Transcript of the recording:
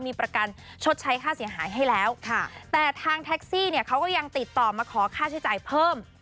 มีประกันชดใช้ค่าเสียหายให้แล้วค่ะแต่ทางแท็กซี่เนี่ยเขาก็ยังติดต่อมาขอค่าใช้จ่ายเพิ่ม